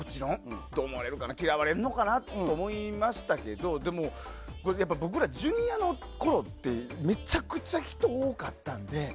どう思われるかな嫌われるのかなと思いましたけどでも、僕らジュニアのころってめちゃくちゃ人多かったので。